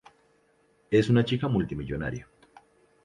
Es una chica multimillonaria.